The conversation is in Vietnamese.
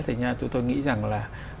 thì chúng tôi nghĩ rằng là